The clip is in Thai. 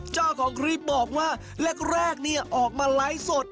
เจ้าของคลิปบอกว่าแรกเนี่ยออกมาไลฟ์สด